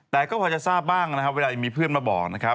แต่ก็พอจะทราบบ้างเวลามีเพื่อนมาบอก